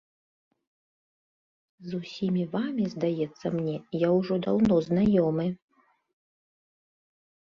З усімі вамі, здаецца мне, я ўжо даўно знаёмы.